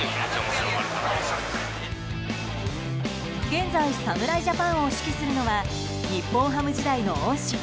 現在侍ジャパンを指揮するのは日本ハム時代の恩師